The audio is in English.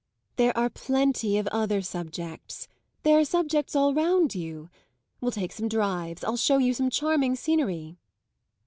"There are plenty of other subjects, there are subjects all round you. We'll take some drives; I'll show you some charming scenery."